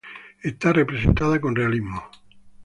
Está representada con realismo.